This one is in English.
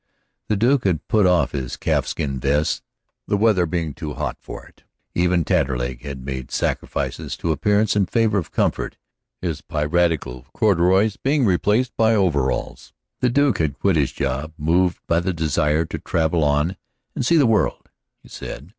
The Duke had put off his calfskin vest, the weather being too hot for it. Even Taterleg had made sacrifices to appearance in favor of comfort, his piratical corduroys being replaced by overalls. The Duke had quit his job, moved by the desire to travel on and see the world, he said.